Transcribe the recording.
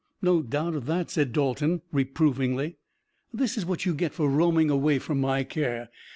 No doubt of that," said Dalton reprovingly. "This is what you get for roaming away from my care.